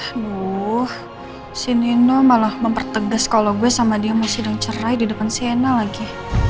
aduh si nino malah mempertegas kalau gue sama dia masih dengan cerai di depan si ena lagi